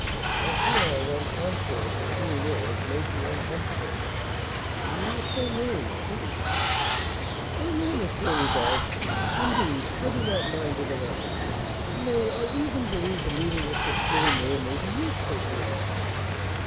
I fear our rencontre with the Chourineur has made you uncomfortable, and we were so merry, too." "Oh, no, M. Rodolph, indeed, I do not mind it at all; nay, I even believe the meeting with the Chourineur may be useful to you."